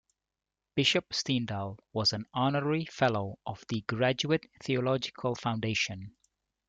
Bishop Stendahl was an honorary fellow of the Graduate Theological Foundation.